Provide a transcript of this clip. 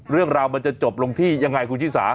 เรื่องราวมันจะจบลงที่ยังไงคุณชิสา